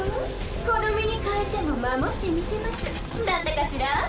この身に代えても守ってみせますだったかしら？